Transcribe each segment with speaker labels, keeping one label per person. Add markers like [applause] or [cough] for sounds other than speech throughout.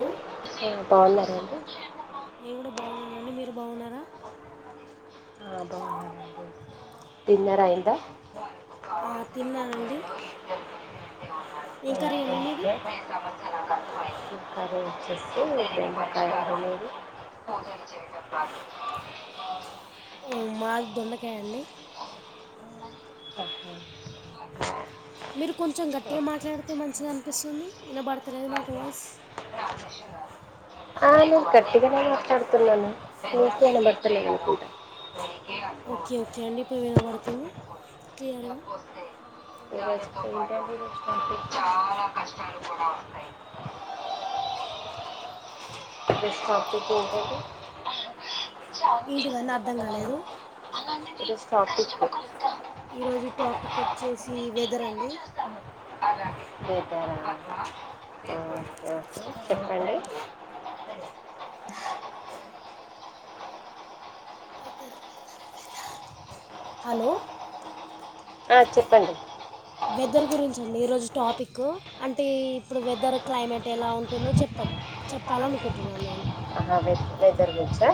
Speaker 1: Hello
Speaker 2: ఉ బాగున్నారండి
Speaker 1: నేను గుడా బాగున్నానుండి మీరు బాగున్నారా
Speaker 2: అ బాగున్నామండి డిన్నర్ అయింద
Speaker 1: అ తిన్నానండి ఏం కరి అండి మీది
Speaker 2: ఇక్కడే హ్ హ్
Speaker 1: [inaudible] ఉమ్ మాది దొండకాయండి
Speaker 2: [unintelligible]
Speaker 1: మీరు కొంచం గట్టిగా
Speaker 2: ఓకే
Speaker 1: మాట్లాడితే మంచిది అనిపిస్తుంది ఇనబడతలేదు నాకు వాయిస్
Speaker 2: ఆ నేను గట్టిగానే మాట్లడుతున్నను నీకె ఇనబడ్తాలేదు అనుకుంట
Speaker 1: ఓకే ఓకే అండి ఇప్పుడు వినబడుతుంది క్లియర్గ
Speaker 2: [unintelligible] [unintelligible] [unintelligible]
Speaker 1: ఏంటిదండి అర్థం కాలేదు
Speaker 2: ఈరోజు టాపిక్కే
Speaker 1: ఈరోజు టాపిక్ వచ్చేసి వెదర్ అండి
Speaker 2: వెదరా ఆ ఆ చెప్పండి
Speaker 1: హలో
Speaker 2: ఆ చెప్పండి
Speaker 1: వెదర్ గురించండి ఈరోజు టాపిక్ అంటే ఎ ఇప్పుడు వెదర్ క్లైమేట్ ఎలా ఉంటుందో చెప్పన్ చెప్పాలనుకుంటున్నాను నేను
Speaker 2: ఆహా వె వెదర్ గురించా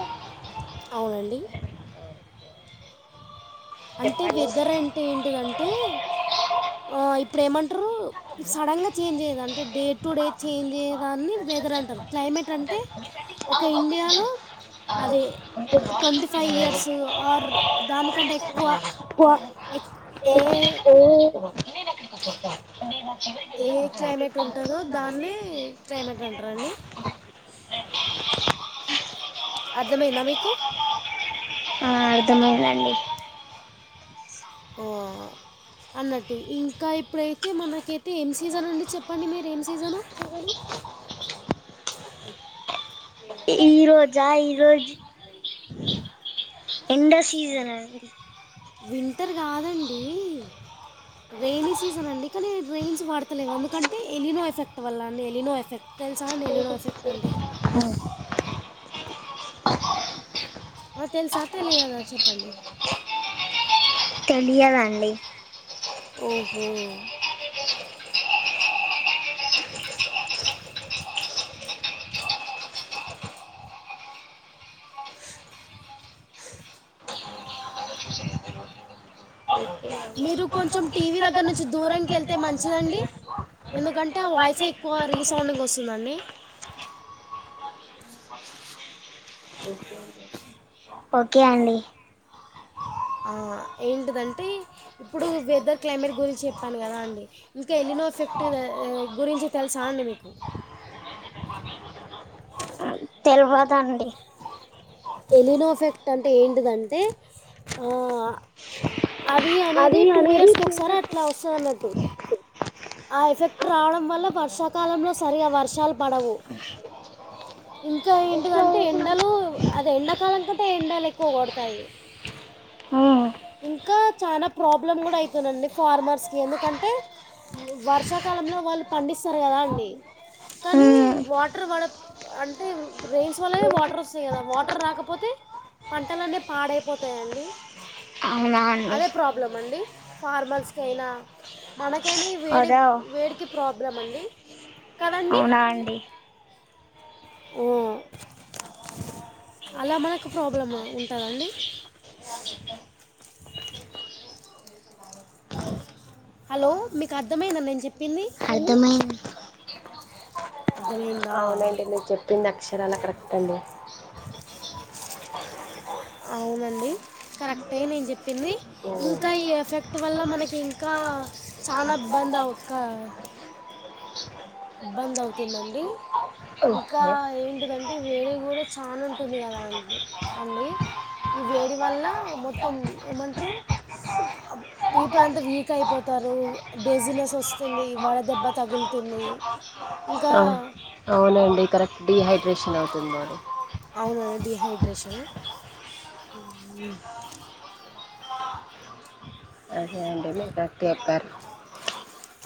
Speaker 1: అవునండి అంటే
Speaker 2: చెప్పండి
Speaker 1: వెదర్ అంటే ఏంటిదం టే ఆ ఇప్పుడు ఏమంటారు ఇ సడన్గా చేంజ్ అయది అంటే డేట్ టూ డేట్ చేంజ్ చేయేదాన్ని వెదర్ అంటారు క్లైమేట్ అంటే ఒక ఇండియాలో అదే ట్వంటీ ఫైవ్ ఇయర్సు ఆర్ దానికంటే ఎక్కువ ఎక్- ఏ
Speaker 2: [unintelligible] [unintelligible]
Speaker 1: ఏ ఉంటుందో
Speaker 2: క్లైమేట్
Speaker 1: దాన్నే క్లైమేట్ అంటారండి అర్థమైయిందా మీకు
Speaker 2: ఆ అర్థమైందండి
Speaker 1: ఓ అన్నట్టు ఇంకా ఇప్పుడైతే మనకైతే ఏం సీజన్ ఉండి చెప్పండి మీరు ఏం సీజనో
Speaker 2: ఈ రోజా ఈరోజు [inaudible] ఎండ సీజన్ అండి
Speaker 1: వింటర్ గాదండి రైనీ సీజన్ అండి కానీ రేయిన్స్ పడతలేవు ఎందుకంటే ఎలినో ఎఫెక్ట్ వల్ల అండి ఎలినో ఎఫె తెలుసా అండి ఎలినో ఎఫెక్ట్ అంటే
Speaker 2: [unintelligible]
Speaker 1: ఆ, తెలుసా తెలియదా చెప్పండి
Speaker 2: తెలియదండి
Speaker 1: ఓహో మీరు కొంచెం టీవీ దగ్గర నుంచి దూరనికి వెళ్తే మంచిదండి ఎందుకంటే ఆ వాయిసే ఎక్కువ రీసౌండింగ్ వస్తుందండి
Speaker 2: ఓకే ఓకే అండి
Speaker 1: ఆ ఏంటిదంటే ఇప్పుడు వెదర్ క్లైమేట్ గురించి చెప్పాను కదా అండి ఇంకా ఎలినో ఎఫెక్ట్ ఆ గురించి తెలుసా అండి మీకు
Speaker 2: [inaudible] తే తెల్వదండీ
Speaker 1: ఎలినో అఫెక్ట్ అంటే ఏంటిదంటే ఆ అది అనేది టూ ఇయర్స్కి ఒకసారి అట్లా వస్తదన్నట్టు ఆ ఎఫెక్ట్ రావడం వల్ల వర్షాకాలంలో సరిగా వర్షాలు పడవు ఇంకా ఏంటిదంటే ఎండలు అది ఎండాకాలం కంటే ఎండలు ఎక్కువ గొడతాయి ఇంకా చానా ప్రాబ్లమ్ గుడా అయితానండి ఫార్మర్స్కి ఎందుకంటే వర్షాకాలంలో వాళ్ళు పండిస్తారు గదా అండి కానీ వాటర్ వాడ అంటే రెయిన్స్ వల్లనే వాటర్ వస్తాయి గదా వాటర్ రాకపోతే పంటలన్నీ పాడైపోతయండి
Speaker 2: అవునా అండి
Speaker 1: అదే ప్రాబ్లం అండి ఫార్మర్స్కి అయినా మనకైనా ఈ వేడి
Speaker 2: అదా
Speaker 1: వేడికి ప్రాబ్లం అండి కదండి
Speaker 2: అవునా అండి
Speaker 1: అలా మనకు ప్రాబ్లం ఉంటద అండి హలో మీకు అర్థమైందా నేను చెప్పింది
Speaker 2: అర్థమైంది
Speaker 1: అర్థమైందా
Speaker 2: అవునండి మీరు చెప్పింది అక్షరాల కరెక్ట్ అండి
Speaker 1: అవునండి కరెక్టే నేను చెప్పింది
Speaker 2: ఓకే
Speaker 1: ఇంక ఈ ఎఫెక్ట్ వల్ల మనకి ఇంకా చానా ఇబ్బందా ఒక్క బంద్ అవుతుందండి ఇంకా ఏంటిదంటే వేరేవి గూడా చానుంటుంది గదా అం అండి ఈ వేడి వల్ల మొత్తం ఏమంట్రు పీపుల్ అంతా వీక్ అయిపోతారు డేజినెస్ వస్తుంది వడ దెబ్బ తగులుతుంది ఇంకా
Speaker 2: అవు కరెక్ట్ డీహైడ్రేషన్ అవుతుంది
Speaker 1: అవునండి డీహైడ్రేషన్
Speaker 2: ఉమ్ అదే అండి మీ కక్ట్ చెప్పారు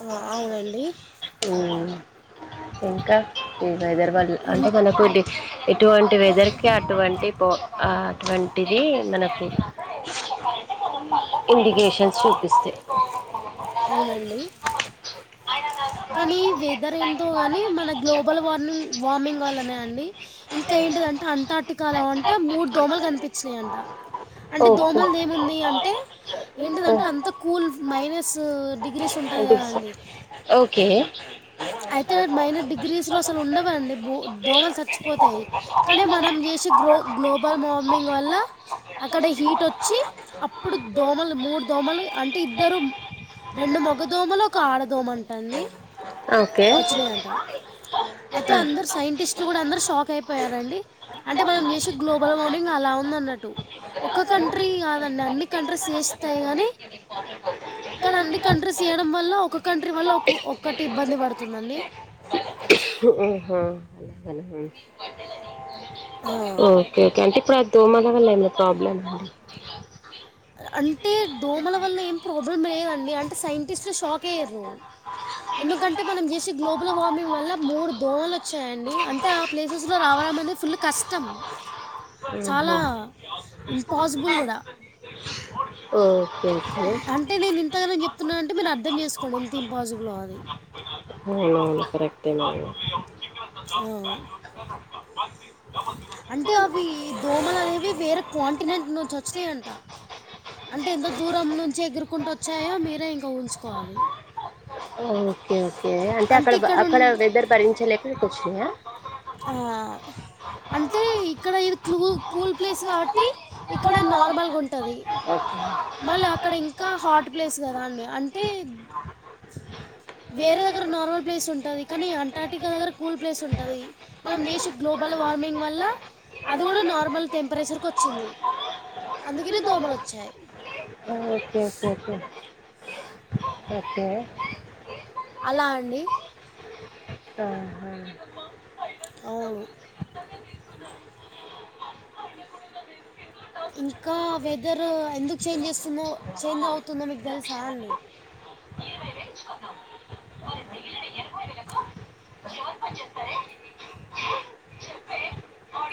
Speaker 1: అ అవునండి
Speaker 2: మ్మ్ ఇంకా ఇ వెదర్ వల్ అంటే
Speaker 1: ఇం-
Speaker 2: మనకు ఇటువంటి వెదర్కి అటువంటి పో అటువంటిది మనకు ఇండిగేషన్స్ చూపిస్తయి
Speaker 1: అవునండి కానీ వెదర్ ఏంటో గానీ మన గ్లోబల్ వార్మింగ్ వామింగ్ వల్లనే అండి ఇంకా ఏంటిదంటే అంటాటికాలో అంట మూడు దోమలు కనిపిచ్చినయంట అంటే
Speaker 2: ఓకే
Speaker 1: దోమల్దేముంది అంటే ఏంటిదంటే
Speaker 2: ఉమ్.
Speaker 1: అంత కూల్ మైనస్ డిగ్
Speaker 2: ఓకే
Speaker 1: అయితే మైనర్ డిగ్రీస్ లో అసలు ఉండవండి బూ దోమలు పోతాయి కానీ మనం చేసే గ్రో గ్లోబల్ వార్మింగ్ వల్ల అక్కడ హీటొచ్చి అప్పుడు దోమలు మూడు దోమలు అంటే ఇద్దరు రెండు మగదోమలు ఒక ఆడదోమ అంటండి
Speaker 2: ఓకే
Speaker 1: వచ్చినయంట అయితే
Speaker 2: ఆ.
Speaker 1: అందరు సైంటిస్ట్ గుడా అందరు షాక్ అయిపోయారండి అంటే మనం చేసే గ్లోబల్ వార్మింగ్ అలా ఉందన్నట్టు ఒక కంట్రీ గాదండి అన్ని కంట్రీస్ చేస్తాయి గానీ కానన్ని కంట్రీస్ చేయడం వల్ల ఒక కంట్రీ వల్ల ఒక ఒక్కటి ఇబ్బంది పడుతుందండి
Speaker 2: ఓహా అలాగన
Speaker 1: ఆ,
Speaker 2: ఓక ఓకే అంటే ఇప్పు అ దోమద వల్ ఏమ ప్రాబ్ల అండి
Speaker 1: అంటే దోమల వల్ల ఏం ప్రాబ్లం లేదండి అంటే సైంటిస్ట్లు షాక్ అయ్యారు నువ్వు ఎందుకంటే మనం చేసే గ్లోబల్ వార్మింగ్ వల్ల మూడు దోమలు వచ్చాయండి అంటే ప్లేసెస్లో రావడం అనేది ఫుల్ కష్టం చాలా
Speaker 2: ఉహు.
Speaker 1: ఇంపాసిబుల్ కూడా
Speaker 2: ఉ ఓకేఒకే
Speaker 1: అంటే నేను ఇంతగానం చెప్తున్నానంటే మీరు అర్థం చేసుకోండి ఎంత ఇంపాసిబుల్ అది
Speaker 2: అవునవును కరెక్టే మ
Speaker 1: ఆ.
Speaker 2: హ్
Speaker 1: అంటే అవి దోమలు అనేవి వేరే కాంటినెంట్ నుంచి వచ్చినాయంట అంటే ఎంత దూరం నుంచి ఎగురుకుంటూ వచ్చాయో మీరే ఇంకా ఊహించుకోవాలి
Speaker 2: ఓకే ఓకే అంటే అక్కడ
Speaker 1: ఇక్కడ
Speaker 2: అక్కడ
Speaker 1: ఉన్-
Speaker 2: వెదర్ భరించలేక ఇక్కడికి వచ్చినాయ
Speaker 1: ఆ అంటే ఇక్కడ ఇది క్లూ కూల్ ప్లేస్ కాబట్టి ఇక్కడ నార్మల్గా ఉంటది మళ్ళీ అక్కడ ఇంకా హాట్ ప్లేస్ కదా అండి అంటే వేరే దగ్గర నార్మల్ ప్లేస్ ఉంటది కనీ అంటార్టికా దగ్గర కూల్ ప్లేస్ ఉంటది మనం జెశే గ్లోబల్ వార్మింగ్ వల్ల అది గుడా నార్మల్ టెంపరేచర్క వచ్చింది అందుకనే దోమలు వచ్చాయి
Speaker 2: ఓకేకేకే ఓకే
Speaker 1: అలా అండి
Speaker 2: ఆహా
Speaker 1: ఆవును ఇంకా వెదర్ ఎందుకు చేంజ్ చేస్తుందో చేంజ్ అవుతుందో మీకు తెలుసా అన్ని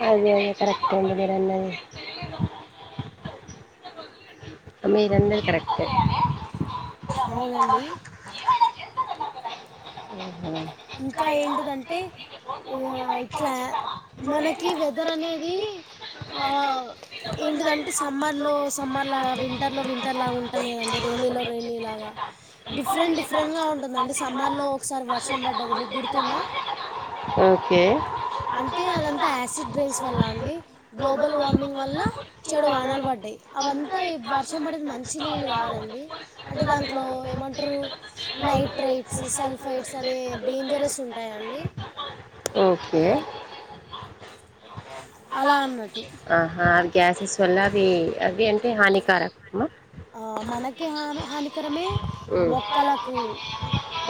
Speaker 2: అదే అదే కరెక్ట్ నేన్ అన్నది కరెక్ట్ ఎ
Speaker 1: అవునండి
Speaker 2: [unintelligible]
Speaker 1: ఇంకా ఏంటిదంటే ఇగ ఇట్లా మనకి వెదర్ అనేది ఆ ఏంటిదంటే సమ్మర్లో సమ్మర్ లాగా వింటర్లో వింటర్లాగా ఉంటలేదండి రేయినీలో రేయినీలాగా డిఫరెంట్ డిఫరెంట్గా ఉంటుందండి సమ్మర్లో ఒకసారి వర్షం బడ్డది మీకు గుర్తుందా
Speaker 2: ఓకే
Speaker 1: అంటే అదంతా యాసిడ్ డ్రైన్స్ వల్ల అండి గ్లోబల్ వార్మింగ్ వల్ల చెడు వానలు పడ్డాయి అవంతా వర్షం పడేది మంచి నీళ్ళు కాదండి అంటే దాంట్లో ఏమంట్రూ నైట్రైట్స్ సల్ఫైడ్స్ అనే డేంజరస్ ఉంటాయ అండి
Speaker 2: ఓకే
Speaker 1: అలా అన్నట్టు
Speaker 2: ఆహా అవి గ్యాసెస్ వల్ల అవి అవ్వే అంటే హానికారకమా.
Speaker 1: ఆ మనకే హాని హానికరమే.
Speaker 2: ఉమ్.
Speaker 1: మొక్కలకు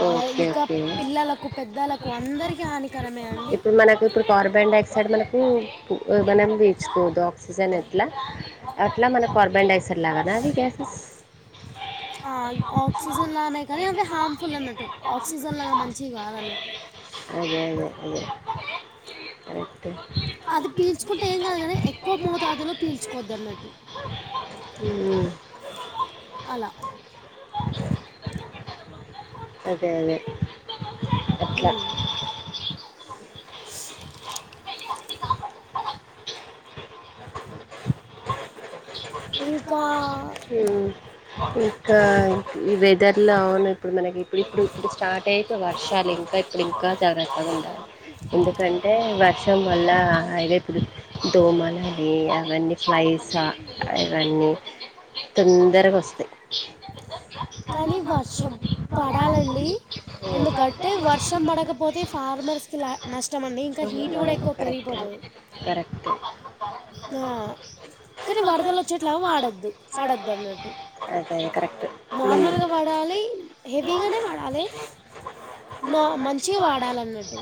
Speaker 1: ఆ
Speaker 2: ఓకే
Speaker 1: ఇంకా
Speaker 2: ఓకే
Speaker 1: పిల్లలకు పెద్దలకు అందరికి హాని
Speaker 2: ఇప్పుడు మనకు ఇప్పుడు కార్బన్ డైఆక్సైడ్ మనకు. మనం తీసుకొఆక్సిజన్ ఎట్లా అట్లా మనకు కార్బన్ డైసర్ లాగానా అవి గ్యాసెస్
Speaker 1: ఆ ఆక్సిజన్ లానే కానీ అవే హార్మ్ఫుల్ అన్నట్టు ఆక్సిజన్ లాగా మంచివి కాదు అన్నట్టు
Speaker 2: అదే అదే అదే కరెక్టు
Speaker 1: అది పీల్చుకుంటే ఏం కాదు గానీ ఎక్కువ మోతాదులో పీల్చుకోవద్దు అన్నట్టు
Speaker 2: ఉమ్,
Speaker 1: అలా
Speaker 2: అదే అదే అట్లా
Speaker 1: ఊమ్ ఇంకా
Speaker 2: ఉమ్, ఇంకా ఈ వెదర్ లో అవును ఇప్పుడు మనకి ఇప్పుడు ఇప్పుడు ఇప్పుడు స్టార్ట్ టైతే వర్షాలు ఇంకా ఇప్పుడు ఇంకా జాగ్రత్తగా ఉండాలి ఎందుకంటే వర్ష్ టం వల్ల అదే ఇప్పుడు దోమలని అవన్నీ స్లైసా ఇవన్నీ తొందరగా వస్తాయి
Speaker 1: కానీ వర్షం పడాలండి ఎందుకంటే వర్షం పడకపోతే ఫార్మర్స్ కి లా నష్టం అండి ఇంకా హీటు కూడా ఎక్కువ
Speaker 2: కరెక్టు
Speaker 1: పెరిగిపోతుంది
Speaker 2: కరెక్టు
Speaker 1: ఆ కానీ వరదలు వచ్చేట్లా వాడొద్దు పడద్దు అన్నట్టు
Speaker 2: ఐతే అది కరెక్ట్ ఉమ్
Speaker 1: నార్మల్గా వడాలి హెవీగానే వడాలె నో మంచిగా వాడాలన్నట్టు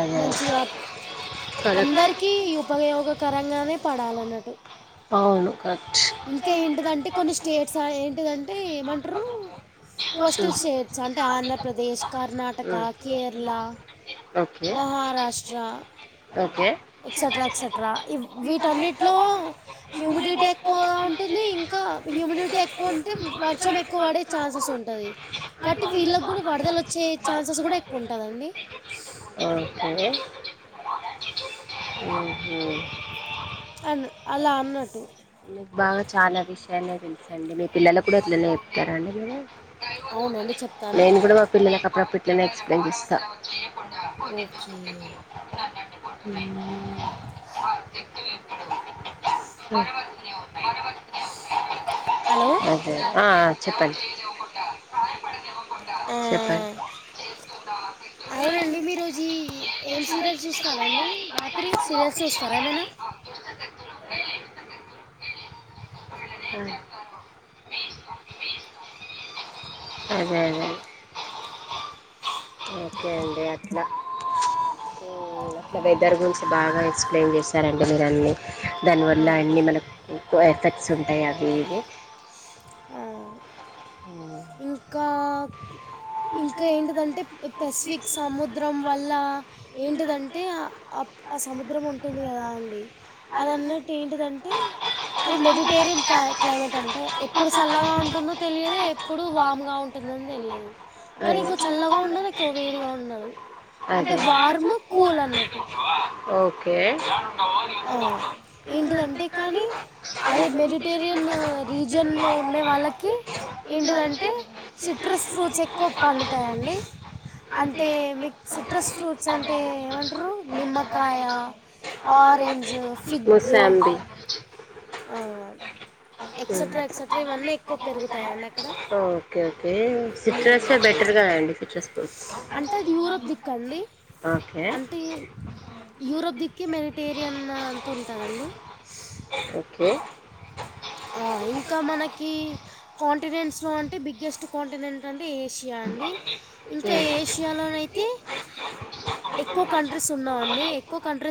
Speaker 2: అదే
Speaker 1: మంచిగా
Speaker 2: కరెక్ట్
Speaker 1: అందరికీ యూపయోగకరంగానే పడాలన్నట్టు
Speaker 2: అవును క [unintelligible]
Speaker 1: ఇంకా ఏంటిదంటే కొన్ని స్టేట్స్ అ ఏంటిదంటే ఏమంటరూ కోస్టల్
Speaker 2: ఉమ్
Speaker 1: షేట్స్ అంటే Andhra Pradesh Karnataka
Speaker 2: um
Speaker 1: Kerala
Speaker 2: okay
Speaker 1: Maharashtra
Speaker 2: okay
Speaker 1: extra extra ఇవ్ వీటన్నిట్లో హ్యుమిడిటీ ఎ కా హ్యుముడిటీ ఎక్కువ ఉంటే వర్షం ఎక్కువ పడే ఛాన్సెస్ ఉంటది కాట్టి వీళ్ళకి కూడా వరదలొచ్చే ఛాన్సెస్ కూడా ఎక్కువ ఉంటాదండి
Speaker 2: ఓకే ఊహూ
Speaker 1: అన్ అలా అన్నట్టు
Speaker 2: మీకు బాగా చాలా విషయానే తెలుసండి మీ పిల్లలకు కూడా అట్లనే చెప్తారా అండి మీరు
Speaker 1: అవునండి
Speaker 2: [unintelligible]
Speaker 1: చెప్తాను
Speaker 2: నేను కూడా మా పిల్లలకు అప్పుడప్పుడు ఇట్లనే ఎక్స్ప్లయిన్ చేస్తా
Speaker 1: ఓకే
Speaker 2: [unintelligible] [unintelligible]
Speaker 1: హలో
Speaker 2: అ అ చెప్పన్
Speaker 1: ఆ,
Speaker 2: చెప్పన్
Speaker 1: [unintelligible] అవునండి మీరోజి ఏం సీరియల్స్ చూస్తారా అండి రాత్రి సీరియల్స్ చూస్తారా ఏమైనా
Speaker 2: [unintelligible] అదే అదే ఓకే అండి అట్లా [unintelligible] అట్లా వెదర్ గురించి బాగా ఎక్స్ప్లెయిన్ చేశారండి మీరు అన్నీ
Speaker 1: ఆ,
Speaker 2: దానివల్ల అన్నీ మనకు కువ ఎఫెక్ట్స్ ఉంటాయి అవి ఇవి
Speaker 1: ఆ
Speaker 2: ఉమ్మ్
Speaker 1: ఇంకా ఇంకా ఏంటిదంటే పెసిఫిక్ సముద్రం వల్ల ఏంటిదంటే ఆ అప్ అ సముద్రం ఉం టది కదండి అదిన్నట్టు ఏంటిదంటే అది మెడిటేరియన్ కై క్లైమేట్ అంటే ఎ ప్పుడు సాల్లగా ఉంటుందో తెలియదు ఎప్పుడు వామ్‌గా ఉంటుందని తెలియదు కానీ ఇంకో
Speaker 2: అదే
Speaker 1: చల్లగా ఉండేదే ఎక్కువ వేడిగా ఉన్నాడు
Speaker 2: అదే ఓకే
Speaker 1: ఆ ఏంటిదంటే కానీ అదే మెడిటేరియన్ రీజియన్లో ఉండే వాళ్ళకి ఏంటిదంటే సిట్రస్ ఫ్రూట్స్ ఎక్కువ పండుతాయండి అంటే మీకు సిట్రస్ ఫ్రూట్స్ అంటే ఏమంట్రూ నిమ్మకాయ ఆరెంజ్ ఫిగ్గ్
Speaker 2: ముసాంబి
Speaker 1: ఆ ఎక్సెట్రా ఎక్సెట్రా ఇవన్నీ ఎక్కువ పెరుగుతాయండి అ
Speaker 2: ఓకే ఓకే సిట్రసే బెటర్ కదండీ సిట్రస్ ఫ్రూట్స్
Speaker 1: అంటే అది యూరప్ దిక్కండి
Speaker 2: ఓకే
Speaker 1: యూరోప్ దిక్కే మెడిటేరియన్ అంత ఉంటదండి
Speaker 2: ఓకే
Speaker 1: ఆ ఇంకా మనకి టినెంట్స్‌లో అంటే బిగ్గెస్ట్ కాంటినెం అంటే ఏషియా అండి ఇంకా ఏషియాలోనైతే ఎక్కువ కంట్రీస్ ఉన్నావండి ఎక్కువ కంట్రీస్